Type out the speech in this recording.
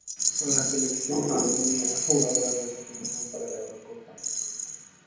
Con la selección armenia ha jugado la clasificación para la Eurocopa.